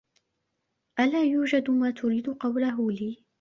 ألا يوجد ما تريد قوله لي؟